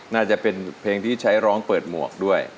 น่าจะเป็นเพลงที่ใช้ร้องเปิดหมวกด้วย